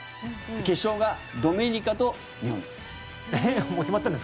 決勝がドミニカと日本です。